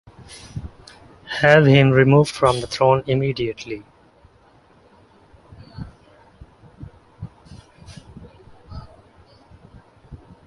Have him removed from the throne immediately.